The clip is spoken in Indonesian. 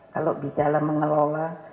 kalau bicara mengelola